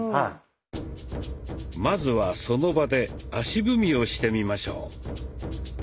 まずはその場で足踏みをしてみましょう。